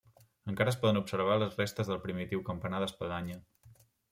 Encara es poden observar les restes del primitiu campanar d'espadanya.